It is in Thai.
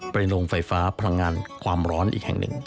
โรงไฟฟ้าพลังงานความร้อนอีกแห่งหนึ่ง